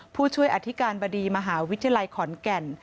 ผู้ช่วยอธิการบดีมหาวิทยาลัยขอนแก่น